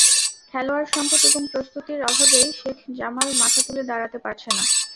খেলোয়াড়-সংকট এবং প্রস্তুতির অভাবেই শেখ জামাল মাথা তুলে দাঁড়াতে পারছে না।